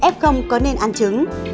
f có nên ăn trứng